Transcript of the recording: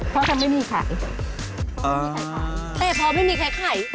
เพราะว่าไม่มีไข่